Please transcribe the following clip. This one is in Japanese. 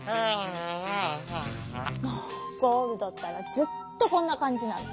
もうゴールドったらずっとこんなかんじなの。